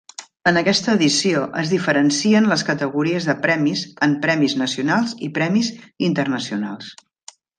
En aquesta edició es diferencien les categories de premis en Premis Nacionals i Premis Internacionals.